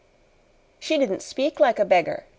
"She didn't speak like a beggar!"